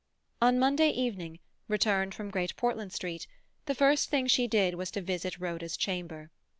On Monday evening, returned from Great Portland Street, the first thing she did was to visit Rhoda's chamber.